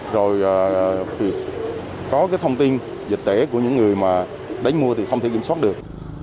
rồi có cái thông tin dịch tễ của những người mà đánh mua thì không thể kiểm soát được